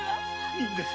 いいんです。